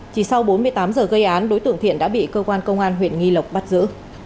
chỉ sau bốn mươi tám giờ gây án đối tượng thiện đã bị cơ quan công an huyện nghi lộc bắt giữ